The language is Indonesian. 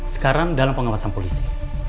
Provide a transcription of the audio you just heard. sekarang dalam pengawasan polisi